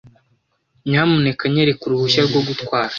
Nyamuneka nyereka uruhushya rwo gutwara.